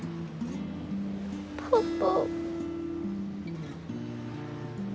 パパ。